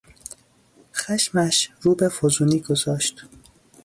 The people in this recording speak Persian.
خشمش رو به فزونی گذاشت.